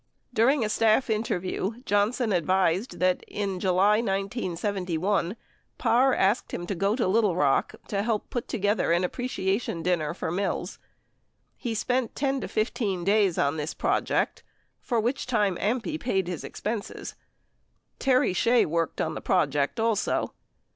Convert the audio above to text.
During a staff interview, Johnson advised that in July 1971, Parr asked him to go to Little Rock to help put together an appreciation din ner for Mills. He spent 10 15 days on this project for which time AMPI paid his expenses. Terry Shea worked on the project also.